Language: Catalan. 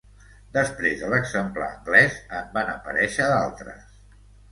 Després de l'exemplar anglès en van aparèixer d'altres.